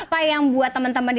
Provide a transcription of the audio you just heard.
pak yang buat teman teman di lantai